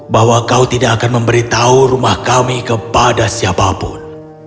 bahwa kau tidak akan memberitahu rumah kami kepada siapapun